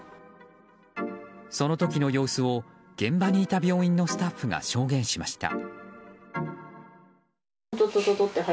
その時の様子を現場にいた病院のスタッフが証言しました。